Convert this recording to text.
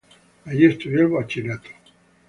Allí estudió el bachillerato.